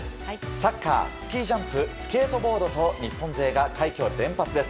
サッカー、スキージャンプスケートボードと日本勢が快挙連発です。